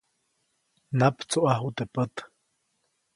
Naptsuʼaju teʼ pät.